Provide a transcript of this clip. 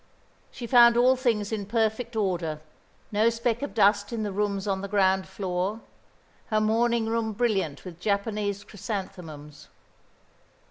She found all things in perfect order, no speck of dust in the rooms on the ground floor, her morning room brilliant with Japanese chrysanthemums.